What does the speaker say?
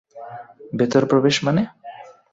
ভেতরে প্রবেশ মানে?